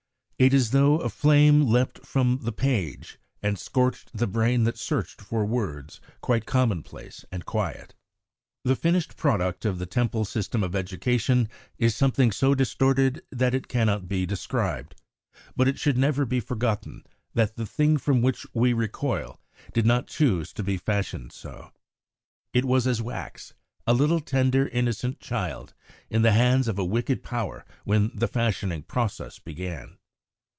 It is as though a flame leaped from the page and scorched the brain that searched for words quite commonplace and quiet. The finished product of the Temple system of education is something so distorted that it cannot be described. But it should never be forgotten that the thing from which we recoil did not choose to be fashioned so. It was as wax a little, tender, innocent child in the hands of a wicked power when the fashioning process began.